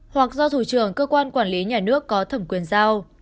hoặc do thủ trưởng cơ quan quản lý nhà nước có thẩm quyền giao